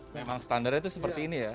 memang standarnya itu seperti ini ya